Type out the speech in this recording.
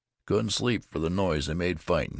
I couldn't sleep fer the noise they made fightin'."